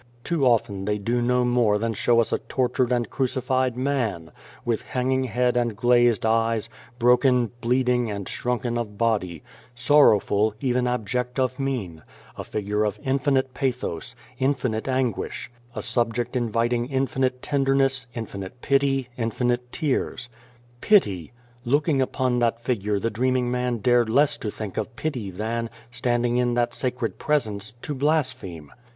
Too often they do no more than show us a tortured and crucified man, with hanging head and glazed eyes, broken, bleed ing, and shrunken of body ; sorrowful, even abject of mien ; a figure of infinite pathos, infinite anguish ; a subject inviting infinite tenderness, infinite pity, infinite tears. Pity ! Looking upon that figure the dreaming man dared less to think of pity than, standing in that sacred presence, to blaspheme.